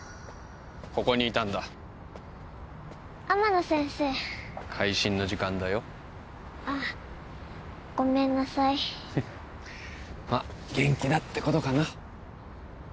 ここにいたんだ天野先生回診の時間だよあごめんなさいまあ元気だってことかな